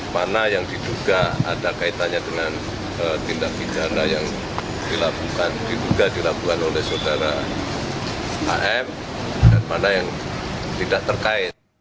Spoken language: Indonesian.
mana yang diduga ada kaitannya dengan tindak pidana yang diduga dilakukan oleh saudara am dan mana yang tidak terkait